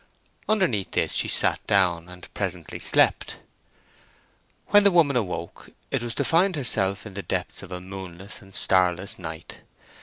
Underneath this she sat down and presently slept. When the woman awoke it was to find herself in the depths of a moonless and starless night.